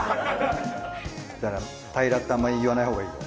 だから平らってあんま言わないほうがいいよ。